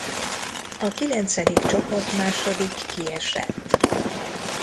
A kilencedik csoportmásodik kiesett.